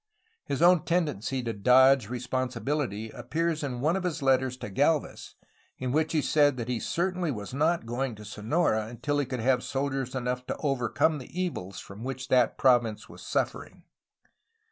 His own tendency to dodge responsibility appears in one of his letters to Gdlvez in which he said that he certainly was not going to Sonora until he could have soldiers enough to overcome the evils from which that province was suffering.